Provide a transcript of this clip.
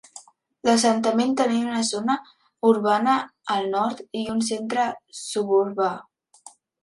L'assentament tenia una zona urbana al nord i un centre suburbà.